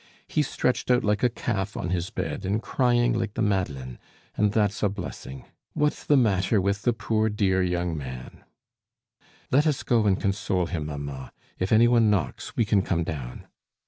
"He's stretched out like a calf on his bed and crying like the Madeleine, and that's a blessing! What's the matter with the poor dear young man!" "Let us go and console him, mamma; if any one knocks, we can come down."